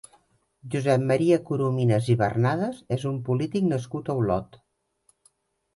Josep Maria Corominas i Barnadas és un polític nascut a Olot.